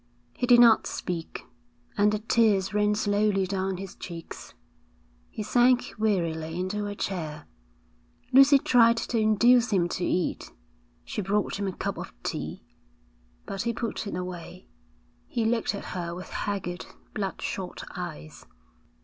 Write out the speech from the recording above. He did not speak, and the tears ran slowly down his cheeks. He sank wearily into a chair. Lucy tried to induce him to eat; she brought him a cup of tea, but he put it away. He looked at her with haggard, bloodshot eyes.